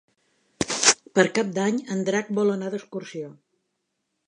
Per Cap d'Any en Drac vol anar d'excursió.